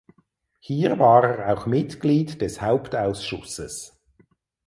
Hier war er auch Mitglied des Hauptausschusses.